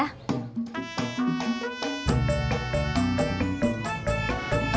jaa jangan refuge